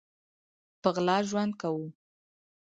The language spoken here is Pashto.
په غلا ژوند کوو